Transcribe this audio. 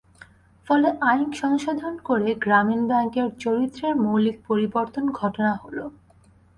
ফলে আইন সংশোধন করে গ্রামীণ ব্যাংকের চরিত্রের মৌলিক পরিবর্তন ঘটানো হলো।